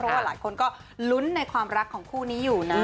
ทุกคนก็ลุ้นในความรักของคู่นี้อยู่นะ